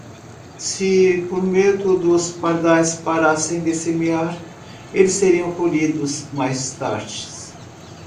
Se por medo dos pardais parassem de semear, eles seriam colhidos mais tarde.